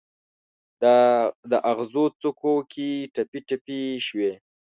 د اغزو څوکو کې ټپي، ټپي شوي